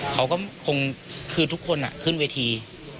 เขาก็คงคือทุกคนขึ้นเวที